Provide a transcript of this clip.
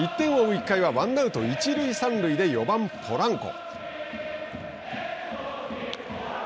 １回はワンアウト、一塁三塁で４番ポランコ。